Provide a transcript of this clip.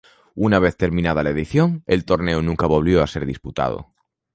Una vez terminada la edición, el torneo nunca volvió a ser disputado.